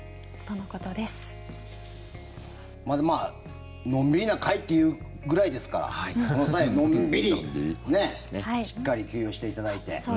のんびりなかいっていうぐらいですからこの際、のんびりしっかり休養していただいて。